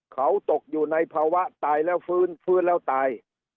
เขาตกอยู่ในภาวะตายแล้วฟื้นฟื้นแล้วตาย